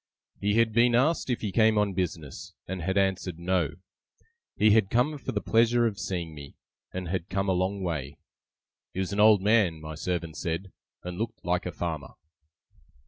He had been asked if he came on business, and had answered No; he had come for the pleasure of seeing me, and had come a long way. He was an old man, my servant said, and looked like a farmer.